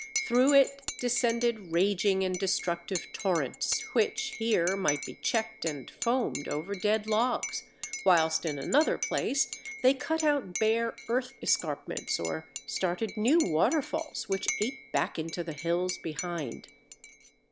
Through it descended raging and destructive torrents which here might be checked and foamed over dead logs, whilst in another place they cut out bare earth escarpments or started new waterfalls which ate back into the hills behind.